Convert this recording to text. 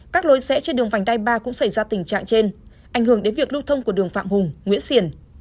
các lối sẽ trên đường vành đai ba cũng xảy ra tình trạng trên ảnh hưởng đến việc lưu thông của đường phạm hùng nguyễn xiển